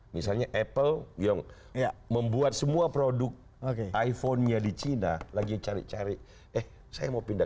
misalnya apple yang membuat semua produk iphone nya di china lagi cari cari eh saya mau pindah